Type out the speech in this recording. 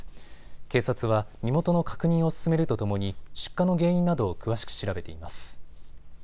警察は身元の確認を進めるとともに出火の原因などを詳しく調べています。